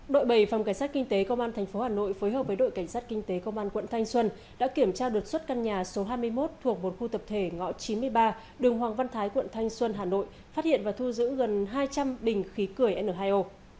đội bảy phòng cảnh sát kinh tế công an tp hà nội phối hợp với đội cảnh sát kinh tế công an quận thanh xuân đã kiểm tra đột xuất căn nhà số hai mươi một thuộc một khu tập thể ngõ chín mươi ba đường hoàng văn thái quận thanh xuân hà nội phát hiện và thu giữ gần hai trăm linh bình khí cười n hai o